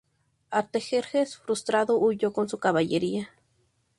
Artajerjes, frustrado, huyó con su caballería.